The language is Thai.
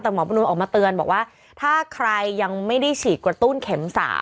แต่หมอประนวลออกมาเตือนบอกว่าถ้าใครยังไม่ได้ฉีดกระตุ้นเข็ม๓